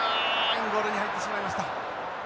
インゴールに入ってしまいました。